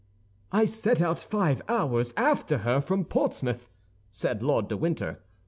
"I set out five hours after her from Portsmouth," said Lord de Winter.